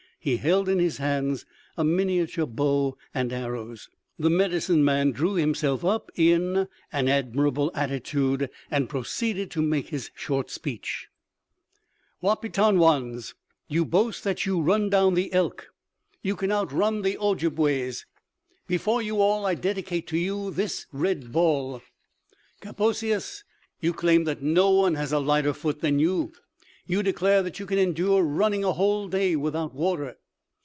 He held in his hands a miniature bow and arrows. The medicine man drew himself up in an admirable attitude, and proceeded to make his short speech: "Wahpetonwans, you boast that you run down the elk; you can outrun the Ojibways. Before you all, I dedicate to you this red ball. Kaposias, you claim that no one has a lighter foot than you; you declare that you can endure running a whole day without water.